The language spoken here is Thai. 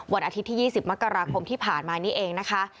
วันอาทิตย์ที่๒๐มกราคมที่ผ่านมานี่เองนะคะ